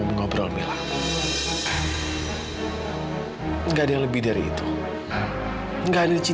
tolong jawab kak